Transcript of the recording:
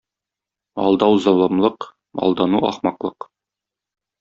Алдау золымлык, алдану ахмаклык.